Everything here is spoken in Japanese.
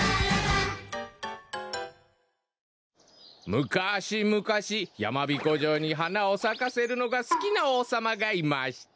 「むかしむかしやまびこじょうにはなをさかせるのがすきなおうさまがいました」。